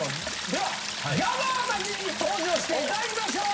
ではギャガーたちに登場していただきましょう！